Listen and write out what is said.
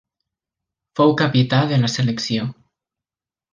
Fou capità de la selecció.